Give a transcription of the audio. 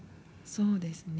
そうですね。